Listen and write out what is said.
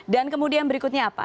dan kemudian berikutnya apa